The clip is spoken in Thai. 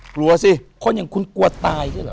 กลัวสิคนยังไม่เชื่อคนยังไม่เชื่อ